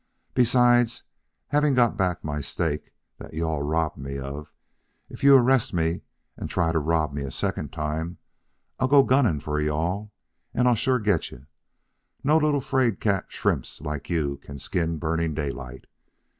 Besides, having got back my stake that you all robbed me of, if you arrest me and try to rob me a second time, I'll go gunning for you all, and I'll sure get you. No little fraid cat shrimps like you all can skin Burning Daylight.